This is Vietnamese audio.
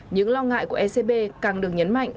những lo ngại của scb càng được nhấn mạnh